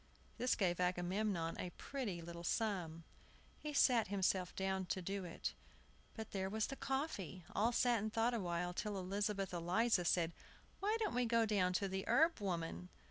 This gave Agamemnon a pretty little sum. He sat himself down to do it. But there was the coffee! All sat and thought awhile, till Elizabeth Eliza said, "Why don't we go to the herb woman?"